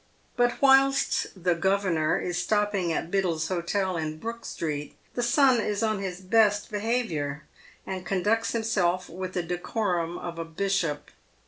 But whilst the "governor" is stopping at Biddle's Hotel in Brook street, the son is on his best behaviour, and conducts himself with the PAYED WITH GOLD. 177 decorum of a bishop.